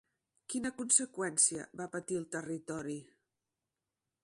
Quina conseqüència va patir el territori?